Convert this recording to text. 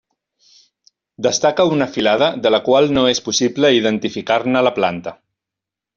Destaca una filada de la qual no és possible identificar-ne la planta.